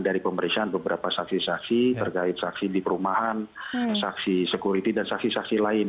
dari pemeriksaan beberapa saksi saksi terkait saksi di perumahan saksi security dan saksi saksi lain